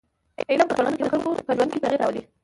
علم په ټولنه کي د خلکو په ژوند کي تغیر راولي.